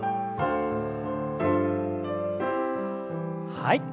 はい。